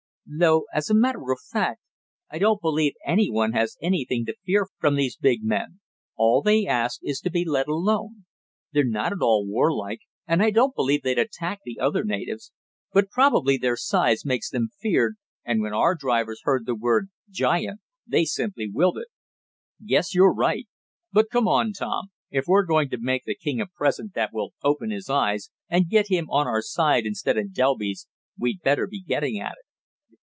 Though, as a matter of fact, I don't believe any one has anything to fear from these big men. All they ask is to be let alone. They're not at all warlike, and I don't believe they'd attack the other natives. But probably their size makes them feared, and when our drivers heard the word 'giant' they simply wilted." "Guess you're right. But come on, Tom. If we're going to make the king a present that will open his eyes, and get him on our side instead of Delby's, we'd better be getting at it."